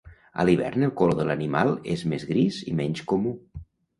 A l'hivern el color de l'animal és més gris i menys comú.